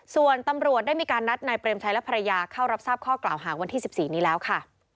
ส่วนตำรวจได้มีการนัดนายเปรมชัยและภรรยาเข้ารับทราบข้อกล่าวหาวันที่๑๔นี้แล้วค่ะ